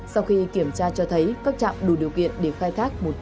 sau khi kiểm tra cho thấy các trạm đủ điều kiện để khai thác một trăm linh etc